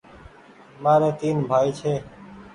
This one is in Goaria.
ماريٚ تين بهائي ڇي